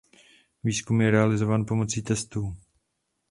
Výzkum je realizován pomocí testů.